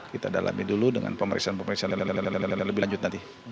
kita dalami dulu dengan pemeriksaan pemeriksaan lebih lanjut nanti